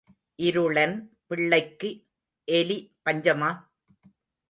இருளன் பிள்ளைக்கு எலி பஞ்சமா?